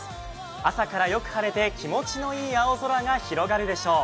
朝からよく晴れて気持ちのいい青空が広がるでしょう。